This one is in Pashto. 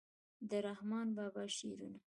د رحمان بابا شعرونه